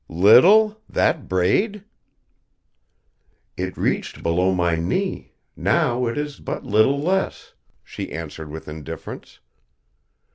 "Little? That braid?" "It reached below my knee, now it is but little less," she answered with indifference.